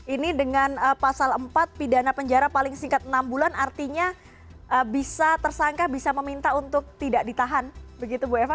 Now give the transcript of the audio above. ini dengan pasal empat pidana penjara paling singkat enam bulan artinya bisa tersangka bisa meminta untuk tidak ditahan begitu bu eva